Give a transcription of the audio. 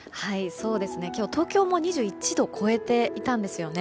今日、東京も２１度を超えていたんですね。